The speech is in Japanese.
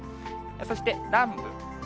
そして、南部。